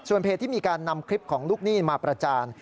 เพจที่มีการนำคลิปของลูกหนี้มาประจาน